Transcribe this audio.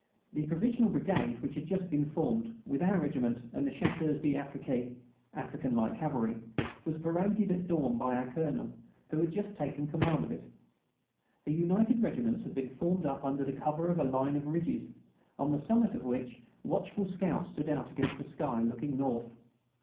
_ The provisional brigade which had just been formed, with our regiment and the Chasseurs d'Afrique (African Light Cavalry), was paraded at dawn by our Colonel, who had taken command of it. The united regiments had been formed up under cover of a line of ridges, on the summit of which the watchful scouts stood out against the sky, looking north.